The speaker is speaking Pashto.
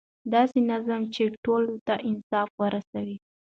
داسې نظام چې ټولو ته انصاف ورسوي.